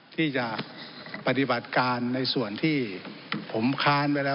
ที่จะปฏิบัติการในส่วนที่ผมค้านไว้แล้ว